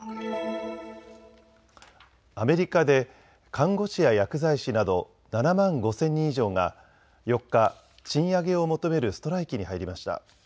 アメリカで看護師や薬剤師など７万５０００人以上が４日、賃上げを求めるストライキに入りました。